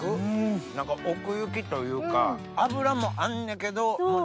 何か奥行きというか脂もあんねけど。